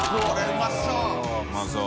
海うまそう！